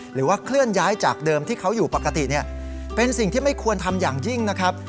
หรือว่าเคลื่อนย้ายจากเดิมที่เขาอยู่ปกติเนี่ยเป็นสิ่งที่ไม่ควรทำอย่างยิ่งนะครับ